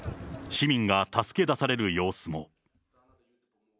市民が助け出される様子も。